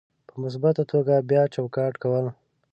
په مثبته توګه بیا چوکاټ کول: